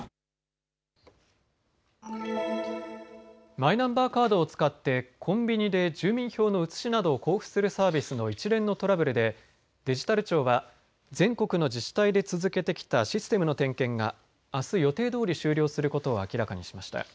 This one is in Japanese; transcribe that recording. マイナンバーカードを使ってコンビニで住民票の写しなどを交付するサービスの一連のトラブルでデジタル庁は全国の自治体で続けてきたシステムの点検があす予定どおり終了することを明らかにしました。